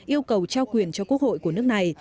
yêu cầu trao quyền cho quốc hội của nước này